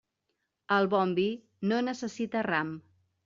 El bon vi no necessita ram.